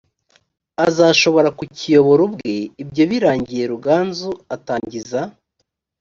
azashobora kukiyobora ubwe ibyo birangiye ruganzu atangiza